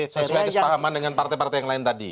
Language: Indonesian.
sesuai kesepahaman dengan partai partai yang lain tadi